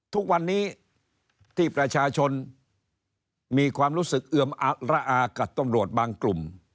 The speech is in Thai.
ทุกวันนี้ที่ประชาชนมีความรู้สึกเอือมระอากับตำรวจบางกลุ่ม